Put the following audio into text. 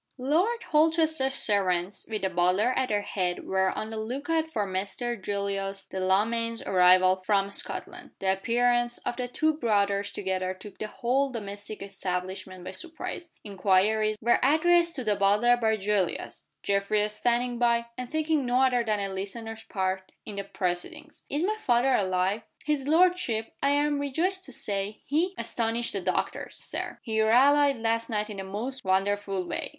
LORD HOLCHESTER'S servants with the butler at their head were on the look out for Mr. Julius Delamayn's arrival from Scotland. The appearance of the two brothers together took the whole domestic establishment by surprise. Inquiries were addressed to the butler by Julius; Geoffrey standing by, and taking no other than a listener's part in the proceedings. "Is my father alive?" "His lordship, I am rejoiced to say, has astonished the doctors, Sir. He rallied last night in the most wonderful way.